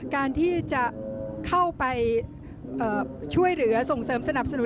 การที่จะเข้าไปช่วยเหลือส่งเสริมสนับสนุน